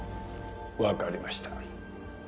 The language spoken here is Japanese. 分かりました。